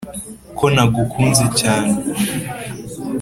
ko nagukunze cyane